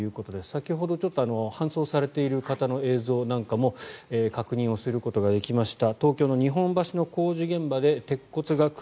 先ほど、ちょっと搬送されている方の映像なんかも確認することができました。